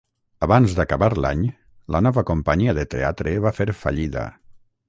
Abans d'acabar l'any, la nova companyia de teatre va fer fallida.